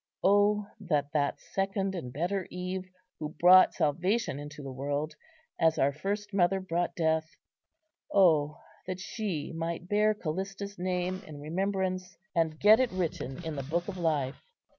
O that that second and better Eve, who brought salvation into the world, as our first mother brought death, O that she might bear Callista's name in remembrance, and get it written in the Book of life!